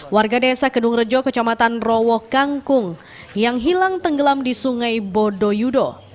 warga desa kedung rejo kecamatan rowo kangkung yang hilang tenggelam di sungai bodoyudo